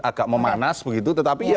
agak memanas tetapi ya